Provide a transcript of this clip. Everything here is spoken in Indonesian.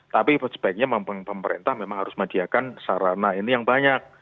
tapi sebaiknya pemerintah memang harus menyediakan sarana ini yang banyak